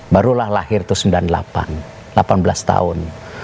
barulah lahir itu sembilan puluh delapan delapan belas tahun